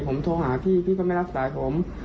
ผมโทรหาพี่พี่ก็ไม่รับสายผม